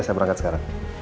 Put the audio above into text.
saya berangkat sekarang